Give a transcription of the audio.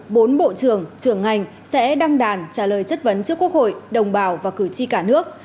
bốn bộ trưởng trưởng ngành sẽ đăng đàn trả lời chất vấn trước quốc hội đồng bào và cử tri cả nước